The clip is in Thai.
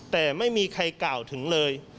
แต่ไม่มีใครกล่าวถึงเลย